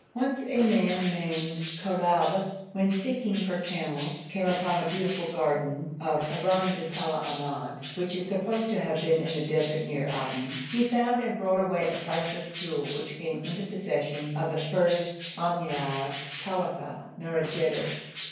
Once a man named Kolabeh, when seeking for camels came upon the beautiful garden of Irem Dhatul Imad, which is supposed to have been in the desert near Aden; he found and brought away a priceless jewel which came into possession of the first Ommiad Caliph Nourrijaht.